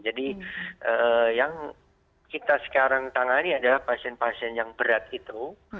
jadi yang kita sekarang tangani adalah pasien pasien yang berat itu